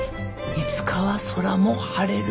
いつかは空も晴れる。